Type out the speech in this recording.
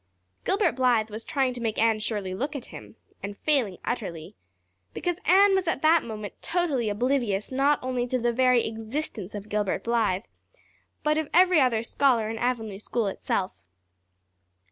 Gilbert Blythe was trying to make Anne Shirley look at him and failing utterly, because Anne was at that moment totally oblivious not only to the very existence of Gilbert Blythe, but of every other scholar in Avonlea school itself.